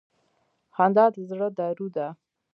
• خندا د زړه دارو ده.